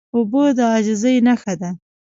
اوبه د عاجزۍ نښه ده.